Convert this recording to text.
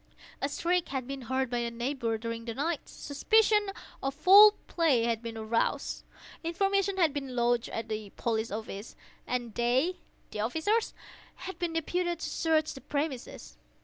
A shriek had been heard by a neighbour during the night; suspicion of foul play had been aroused; information had been lodged at the police office, and they (the officers) had been deputed to search the premises.